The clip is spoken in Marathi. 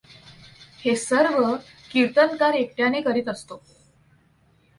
हे सर्व कीर्तनकार एकट्याने करीत असतो.